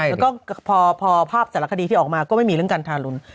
แล้วก็พอภาพแต่ละคดีที่ออกมาก็ไม่มีเรื่องการทารุณ